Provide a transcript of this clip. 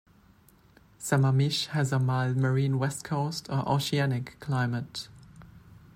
Sammamish has a mild Marine West Coast or oceanic climate.